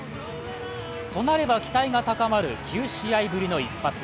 となれば、期待が高まる９試合ぶりの一発。